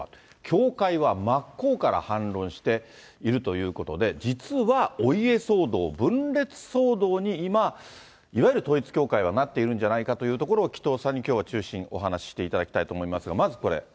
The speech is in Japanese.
教会は真っ向から反論しているということで、実はお家騒動、分裂騒動に今、いわゆる統一教会はなっているんじゃないかというところを、紀藤さんにきょうは中心、お話していただきたいと思いますが、まず、これ。